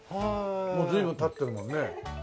もう随分経ってるもんね。